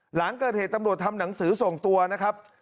หลังเกิดเหตุตำรวจทำหนังสือส่งตัวนะครับ